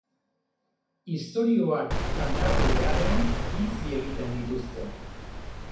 Istorioak kantatu beharrean, bizi egiten dituzte.